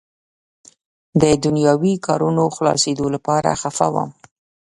د دنیاوي کارونو خلاصېدو لپاره خفه وم.